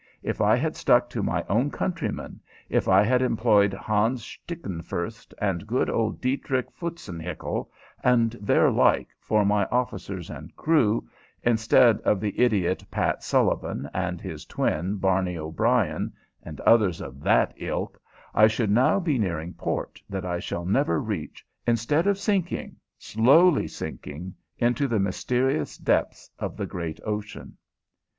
If I had stuck to my own countrymen, if I had employed Hans Stickenfurst and good old Diedrich Foutzenhickle and their like for my officers and crew, instead of the idiot Pat Sullivan and his twin, Barney O'Brien, and others of that ilk, I should now be nearing port that I shall never reach, instead of sinking, slowly sinking, into the mysterious depths of the great ocean.